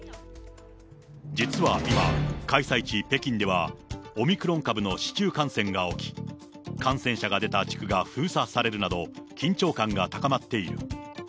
実は今、開催地、北京では、オミクロン株の市中感染が起き、感染者が出た地区が封鎖されるなど、緊張感が高まっている。